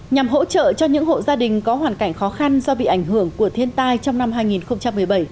nhằm hỗ trợ cho những hộ gia đình có hoàn cảnh khó khăn do bị ảnh hưởng của thiên tai trong năm hai nghìn một mươi bảy